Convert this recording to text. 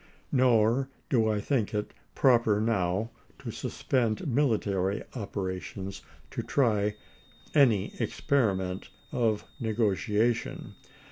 Nor do I think it proper now to suspend mili tary operations to try any experiment of negotiation.